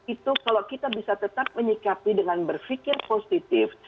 itu kalau kita bisa tetap menyikapi dengan berfikir positif